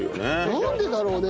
なんでだろうね？